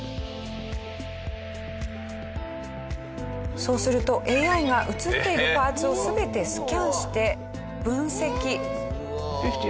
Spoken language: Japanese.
そうするとＡＩが写っているパーツを全てスキャンして分析。